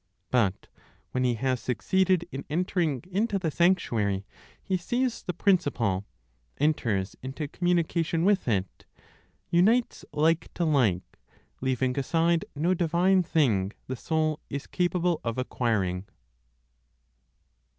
(But when he has succeeded in entering into the sanctuary) he sees the Principle, enters into communication with it, unites like to like, leaving aside no divine thing the soul is capable of acquiring.